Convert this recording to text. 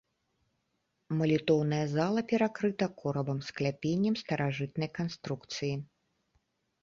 Малітоўная зала перакрыта корабам скляпеннем старажытнай канструкцыі.